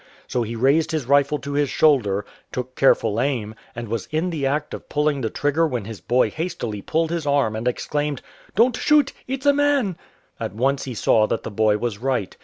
So he raised his rifle to his shoulder, took careful aim, and was in the act of pulling the trigger when his boy hastily pulled his arm and exclaimed, " Don't shoot — it's a man !" At once he saw that the boy was right.